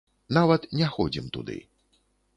Нават не ходзім туды.